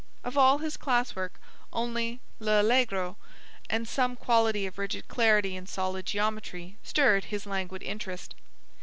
Of all his class work only "L'Allegro" and some quality of rigid clarity in solid geometry stirred his languid interest.